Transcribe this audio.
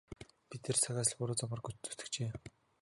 Би тэр цагаас л буруу замаар зүтгэжээ.